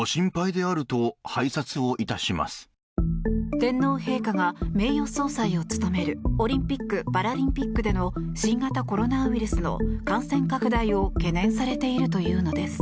天皇陛下が名誉総裁を務めるオリンピック・パラリンピックでの新型コロナウイルスの感染拡大を懸念されているというのです。